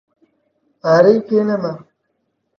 پارەی پێ نەما.